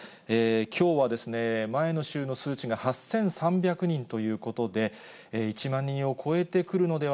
きょうは、前の週の数値が８３００人ということで、１万人を超えてくるので